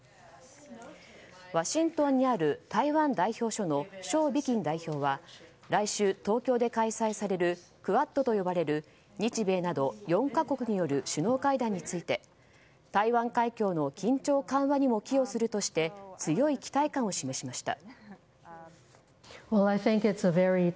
ワシントンにある台湾代表処のショウ・ビキン代表は来週、東京で開催されるクアッドと呼ばれる日米など４か国による首脳会談について台湾海峡の緊張緩和にも寄与するとして強い期待感を示しました。